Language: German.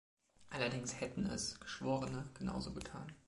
Allerdings hätten es „Geschworene“ genauso getan.